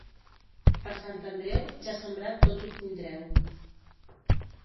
Per Sant Andreu, ja sembrat tot ho tindreu.